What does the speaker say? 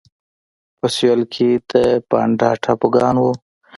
په سوېل کې د بانډا ټاپوګان وو.